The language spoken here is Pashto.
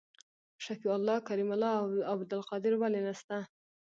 شفیع الله کریم الله او عبدالقادر ولي نسته؟